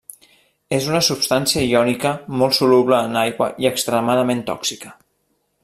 És una substància iònica molt soluble en aigua i extremadament tòxica.